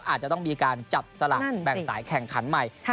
อาจจะต้องมีการจับสลากแบ่งสายแข่งขันใหม่